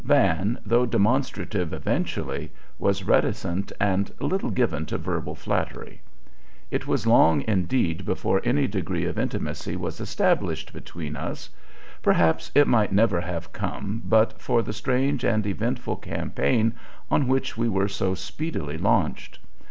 Van, though demonstrative eventually, was reticent and little given to verbal flattery. It was long indeed before any degree of intimacy was established between us: perhaps it might never have come but for the strange and eventful campaign on which we were so speedily launched.